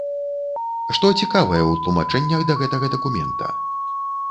Што цікавае ў тлумачэннях да гэтага дакумента?